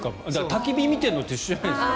たき火見てるのと一緒じゃないですか。